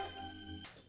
kepala kota garut